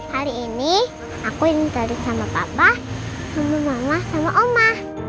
hari ini aku yang tarik sama papa sama mama sama oma